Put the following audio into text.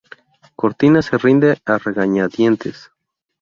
Cortina se rinde a regañadientes.